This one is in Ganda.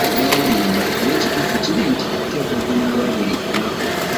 Weerimba era ekituufu kiri nti oteekwa okunaaba buli lunaku.